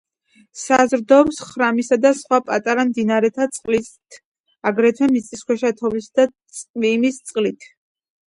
საზრდოობს ხრამისა და სხვა პატარა მდინარეთა წყლით, აგრეთვე მიწისქვეშა, თოვლისა და წვიმის წყლით.